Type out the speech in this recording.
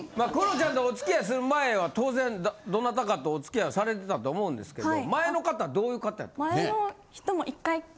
ちゃんとお付き合いする前は当然どなたかとお付き合いされてたと思うんですけど前の方どういう方やったんです？